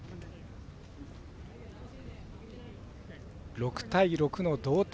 ６対６の同点。